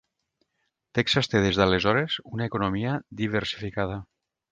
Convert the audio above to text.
Texas té des d'aleshores una economia diversificada.